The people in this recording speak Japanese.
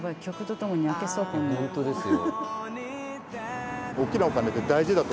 本当ですよ。